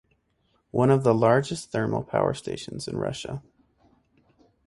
One of the largest thermal power stations in Russia.